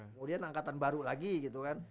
kemudian angkatan baru lagi gitu kan